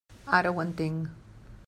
Ara ho entenc.